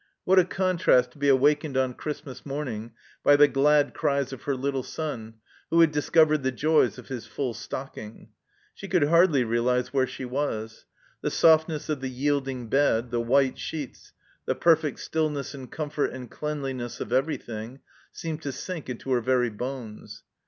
What a contrast to be awakened on Christmas morning by the glad cries of her little son, who had discovered the joys of his full stocking ! She could hardly realize where she was. The softness of the yielding bed, the white sheets, the perfect stillness and comfort and cleanliness of everything, seemed to sink into her very bones.